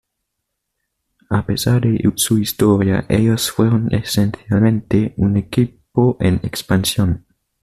A pesar de su historia, ellos fueron esencialmente un equipo en expansión.